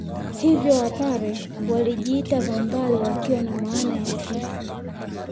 Hivyo Wapare walijiita Vambare wakiwa na maana ya sisi